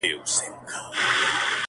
که محشر نه دی نو څه دی!